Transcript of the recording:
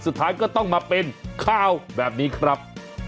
สุดท้ายก็ต้องมาเป็นข่าวแบบนี้ครับ